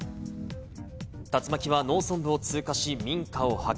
竜巻は農村部を通過し民家を破壊。